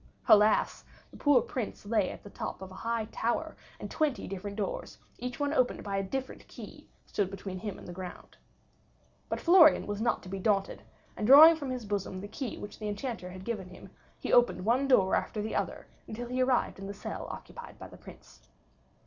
Alas! the poor Prince lay at the top of a high tower, and twenty different doors, each one opened by a different key, stood between him and the ground. But Florian was not to be daunted, and drawing from his bosom the key which the Enchanter had given him, he opened one door after the other till he arrived in the cell occupied by the Prince.